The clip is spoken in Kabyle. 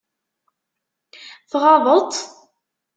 Tɣaḍeḍ-tt?